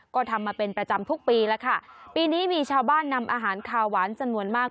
ก็ทำมาเป็นประจำทุกปีแล้วค่ะปีนี้มีชาวบ้านนำอาหารขาวหวานจำนวนมาก